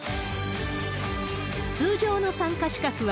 通常の参加資格は、